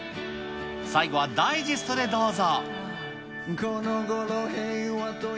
最後はダイジェストでどうぞ。